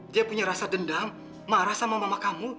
dia punya rasa dendam marah sama mama kamu